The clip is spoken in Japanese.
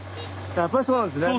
やっぱりそうなんですね。